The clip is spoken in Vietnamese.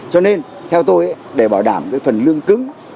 cho nên theo tôi để bảo đảm cái phần lương cứng